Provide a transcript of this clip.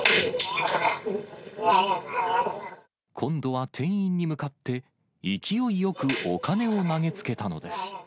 今度は店員に向かって、勢いよくお金を投げつけたのです。